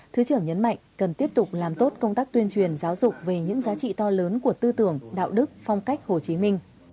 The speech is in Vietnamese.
thứ trưởng nhấn mạnh cần tiếp tục làm tốt công tác tuyên truyền giáo dục về những giá trị to lớn của tư tưởng đạo đức phong cách hồ chí minh